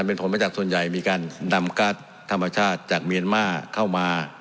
เป็นผลมาจากส่วนใหญ่มีการนำการ์ดธรรมชาติจากเมียนมาร์เข้ามา